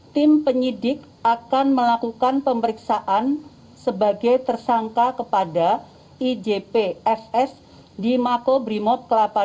tim penyidik akan melakukan pemeriksaan sebagai tersangka kepada ijpfs di makobrimob kelapa dua